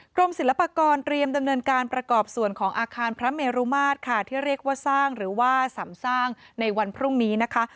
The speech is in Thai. กรมศิลปากรเตรียมดำเนินการประกอบส่วนของอาคารพระเมรุมาตรค่ะที่เรียกว่าสร้างหรือว่าสำสร้างในวันพรุ่งนี้นะคะ